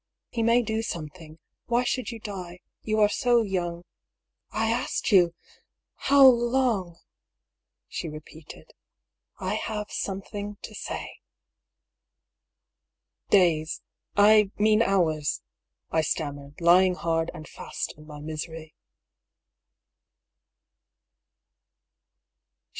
" He may do something. Why should you die? You are so young "" I asked you, how long ?" she repeated. " I have something to say." " Days — I mean hours," I stammered, lying hard and fast in my misery.